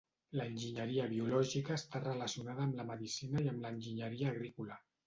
L'Enginyeria biològica està relacionada amb la medicina i amb l'enginyeria agrícola.